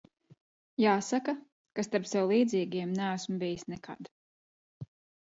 Jāsaka, ka starp sev līdzīgiem neesmu bijis nekad.